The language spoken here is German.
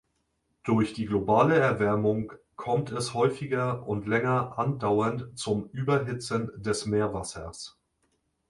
Durch die globale Erwärmung kommt es häufiger und länger andauernd zum „Überhitzen“ des Meerwassers.